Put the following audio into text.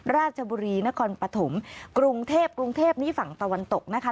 ราชบุรีนครปฐมกรุงเทพกรุงเทพนี้ฝั่งตะวันตกนะคะ